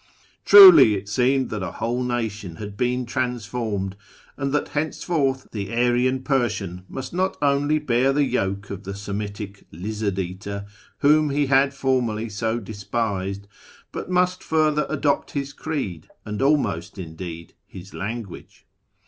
Truly it seemed that a whole nation had been transformed, and that henceforth the Aryan Persian must not only bear the yoke of the Semitic " lizard eater " whom he had formerly so despised, but must further adopt his creed, and almost, indeed, his language.